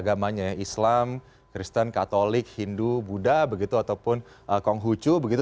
agamanya ya islam kristen katolik hindu buddha begitu ataupun konghucu begitu